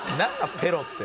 「ペロ」って。